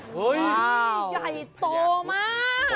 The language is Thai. ว้าวใหญ่โตมาก